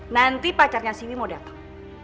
nanti pacarnya siwi mau dateng